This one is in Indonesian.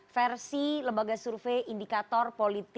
versi lembaga survei indikatornya adalah